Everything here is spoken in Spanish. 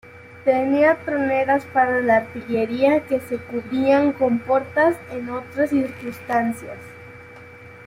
Tenía troneras para la artillería que se cubrían con portas en otras circunstancias.